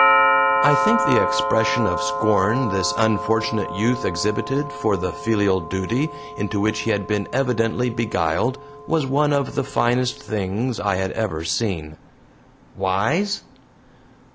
I think the expression of scorn this unfortunate youth exhibited for the filial duty into which he had been evidently beguiled was one of the finest things I had ever seen. "Wise?"